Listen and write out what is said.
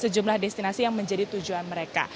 sejumlah destinasi yang menjadi tujuan mereka